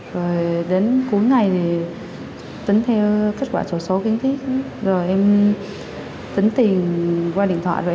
rồi đến cuối ngày thì tính theo kết quả sổ số kiến thiết rồi em tính tiền qua điện thoại rồi